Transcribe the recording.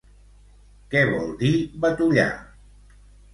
Què vol dir batollar?